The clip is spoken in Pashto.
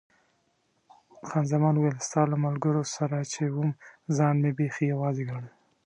خان زمان وویل، ستا له ملګرو سره چې وم ځان مې بیخي یوازې ګاڼه.